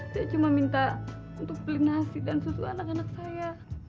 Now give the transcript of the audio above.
saya cuma minta untuk beli nasi dan susu anak anak saya